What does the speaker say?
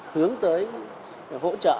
hướng tới hỗ trợ